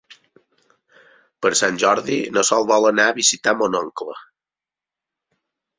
Per Sant Jordi na Sol vol anar a visitar mon oncle.